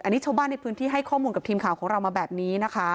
อันนี้ชาวบ้านในพื้นที่ให้ข้อมูลกับทีมข่าวของเรามาแบบนี้นะคะ